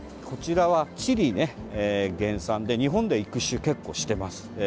こちらはチリ原産で、日本では育種を結構しています。